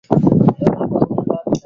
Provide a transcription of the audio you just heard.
Mimi nafika shuleni tu